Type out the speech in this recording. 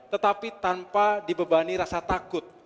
tetapi tanpa dibebani rasa takut